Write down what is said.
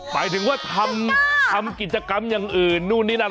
หมายถึงว่าทำกิจกรรมอย่างอื่นนู่นนี่นั่น